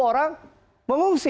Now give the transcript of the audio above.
sepuluh orang mengungsi